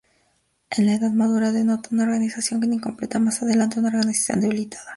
En la edad madura, denota una organización incompleta; más adelante, una organización debilitada.